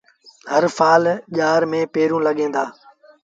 هر سآل ڄآر ميݩ پيٚنرون با لڳيٚن دآ۔